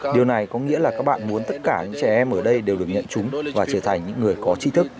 điều này có nghĩa là các bạn muốn tất cả những trẻ em ở đây đều được nhận chúng và trở thành những người có trí thức